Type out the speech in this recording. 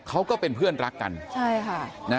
ก็เป็นเพื่อนรักกันใช่ค่ะนะ